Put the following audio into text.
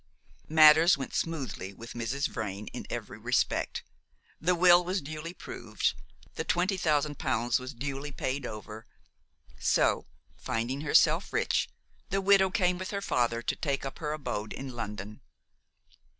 Matters went smoothly with Mrs. Vrain in every respect. The will was duly proved, the twenty thousand pounds was duly paid over; so, finding herself rich, the widow came with her father to take up her abode in London.